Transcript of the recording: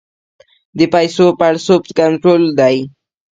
د پیسو پړسوب کنټرول دی؟